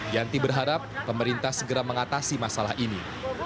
yanti berharap pemerintah segera mengatasi masalah ini